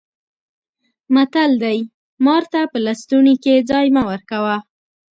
متل دی: مار ته په لستوڼي کې ځای مه ورکوه.